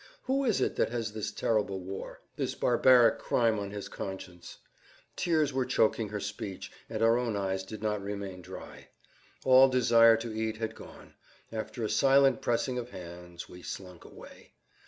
Who is it that has this terrible war, this barbaric crime on his conscience?" Tears were choking her speech, and our own eyes did not remain dry. All desire to eat had gone; after a silent pressing of hands we slunk away.